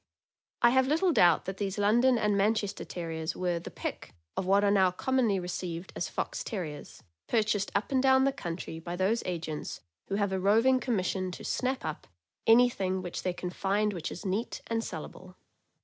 I have little doubt that these London and Manchester Terriers were '' the pick" of what are now commonly received as Fox Terriers, purchased up and down the country by those agents who have a roving commission to '' snap up " anything which they can find which is neat and salable.